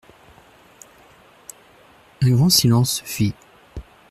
Un grand silence se fit.